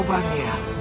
aku akan menemukanmu